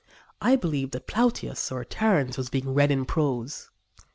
I believed that Plautus or Terence was being read in prose.